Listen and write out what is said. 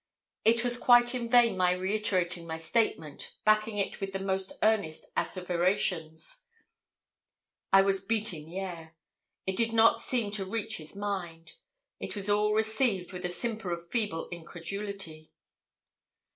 It was quite in vain my reiterating my statement, backing it with the most earnest asseverations. I was beating the air. It did not seem to reach his mind. It was all received with a simper of feeble incredulity.